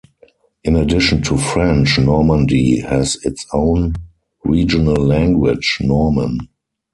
In addition to French, Normandy has its own regional language, Norman.